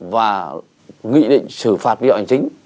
và nghị định xử phạt viện hội chính